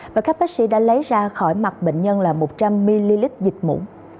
và các bác sĩ đã lấy ra khỏi mặt bệnh nhân là một trăm linh ml dịch mũ